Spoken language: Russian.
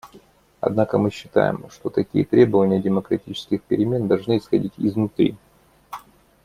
Однако мы считаем, что такие требования демократических перемен должны исходить изнутри.